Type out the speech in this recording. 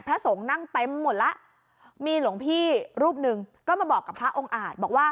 พระสงฆ์นั่งเต็มหมดแล้วมีหลวงพี่รูปหนึ่งก็มาบอกกับพระองค์อาจบอกว่า